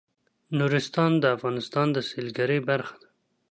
نورستان د افغانستان د سیلګرۍ برخه ده.